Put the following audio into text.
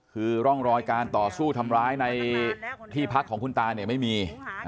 คือร่องรอยการต่อสู้ทำร้ายในที่พักของคุณตาเนี่ยไม่มี